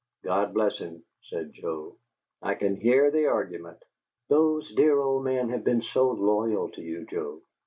"God bless him!" said Joe. "I can hear the 'argument'!" "Those dear old men have been so loyal to you, Joe."